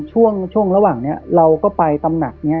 ช่วงระหว่างนี้เราก็ไปตำหนักนี้